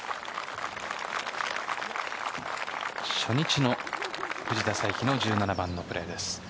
初日の藤田さいきの１７番のプレーです。